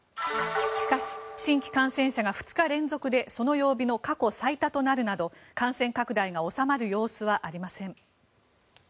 しかし、新規感染者が２日連続でその曜日の過去最多となるなど感染拡大が収まる様子はありません。